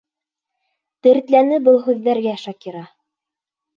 Тертләне был һүҙҙәргә Шакира.